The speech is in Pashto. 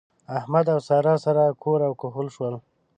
احمد او سارا سره کور او کهول شول.